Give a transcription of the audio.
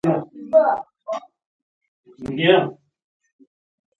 لومړۍ طریقه نوره منسوخه شوه.